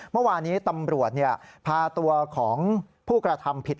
เมื่อวานี้ตำรวจพาตัวของผู้กระทำผิด